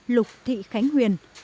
lục thị khánh huyền